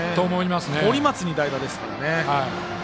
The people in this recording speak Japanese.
森松に代打ですからね。